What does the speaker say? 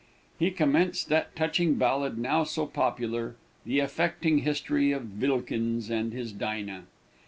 He commenced that touching ballad, now so popular, "the affecting history of Vilikins and his Dinah."